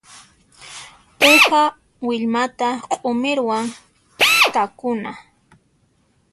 Uha willmata q'umirwan takuna.